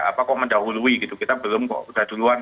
apa kok mendahului gitu kita belum kok udah duluan